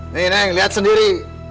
nih neng liat sendiri